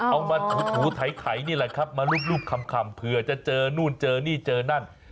เอามาถูไถนี่แหละครับมารูปคำเผื่อจะเจอนู่นเจอนี่เจอนั่น